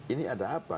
ini ada apa